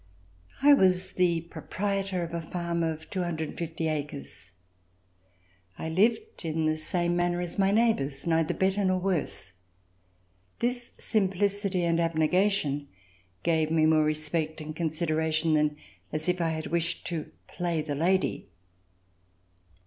I was the proprietor of a farm of 250 acres. I lived in the same manner as my neighbors, neither better nor worse. This simplicity and abnegation gave me more respect and considera tion than as if I had wished to play the lady.